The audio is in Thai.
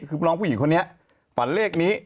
คือน้องผู้หญิงคนนี้ฝันเลขนี้